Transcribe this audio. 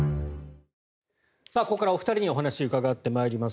ここからお二人にお話伺ってまいります。